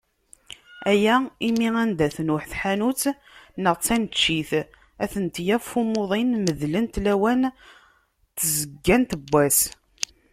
Aya imi anda tnuḥ tḥanut neɣ d taneččit, ad tent-yaf umuḍin medlent lawan n tzeggant n wass.